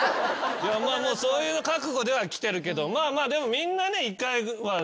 そういう覚悟では来てるけどまあまあでも。